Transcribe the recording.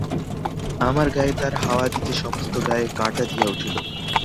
আমার গায়ে তার হাওয়া দিতে সমস্ত গায়ে কাঁটা দিয়া উঠিল।